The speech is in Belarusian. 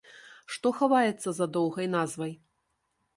Што хаваецца за доўгай назвай?